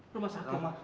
rumah sakit ma